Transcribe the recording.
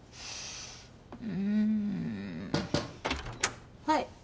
うんはい